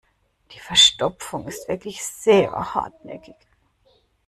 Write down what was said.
Die Verstopfung ist wirklich sehr hartnäckig.